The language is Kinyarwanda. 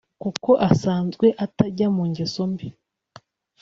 kuko asanzwe atajya mu ngeso mbi